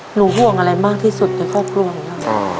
ห่วงอะไรมากที่สุดในครอบครัวของเรา